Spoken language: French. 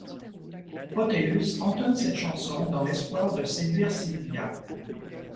Proteus entonne cette chanson dans l'espoir de séduire Silvia.